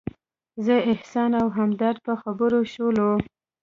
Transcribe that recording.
زه، احسان او همدرد په خبرو شولو.